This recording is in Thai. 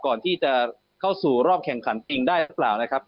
ก่อนที่จะเข้าสู่รอบแข่งขันจริงได้หรือเปล่านะครับ